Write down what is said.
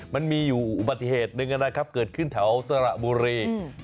มันมีอยู่อุบัติเหตุหนึ่งนะครับเกิดขึ้นแถวสระบุรี